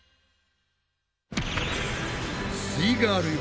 すイガールよ